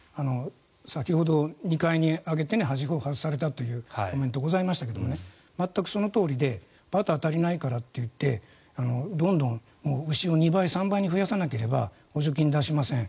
先ほど２階に上げてはしごを外されたというコメントがございましたけど全くそのとおりでバター足りないからって言ってどんどん牛を２倍、３倍に増やさなければ補助金を出しません